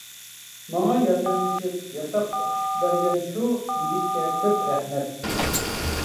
ماڭا ياردەملىشىپ، ياتاق ئۇقۇشۇپ بەرگەن شۇ يىگىتكە كۆپ رەھمەت!